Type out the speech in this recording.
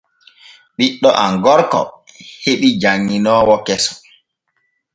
Ɓiɗɗo am gorko heɓi janŋinoowo keso.